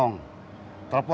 mencapai gaji yang terakhir